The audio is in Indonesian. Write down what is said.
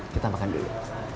kita makan dulu